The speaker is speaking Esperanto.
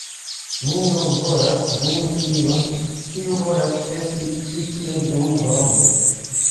"Ni nur volas dungi iun, kiu volas esti ĉi tie dum longe.